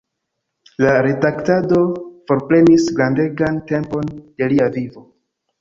La redaktado forprenis grandegan tempon de lia vivo.